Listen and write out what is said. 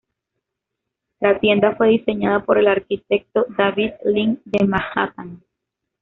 La tienda fue diseñada por el arquitecto David Ling de Manhattan.